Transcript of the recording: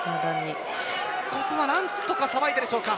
ここは何とかさばいたでしょうか。